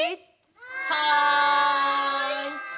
はい！